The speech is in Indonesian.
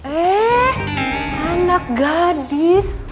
eh anak gadis